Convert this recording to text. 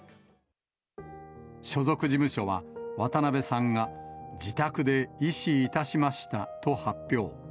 所属事務所は、渡辺さんが自宅で縊死いたしましたと発表。